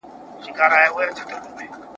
د ونو سیوري تاریک کړی وو ..